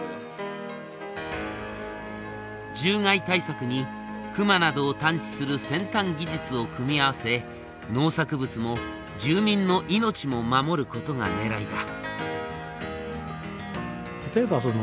獣害対策にクマなどを探知する先端技術を組み合わせ農作物も住民の命も守ることがねらいだ。